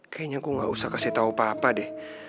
kayaknya aku ga usah kasih tau papa deh